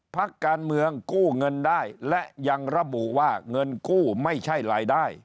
พักการเมืองกู้เงินได้และยังระบุว่าเงินกู้ไม่ใช่รายได้